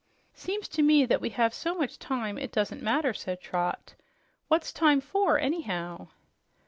"Seems to me that we have so much time it doesn't matter," said Trot. "What's time for, anyhow?"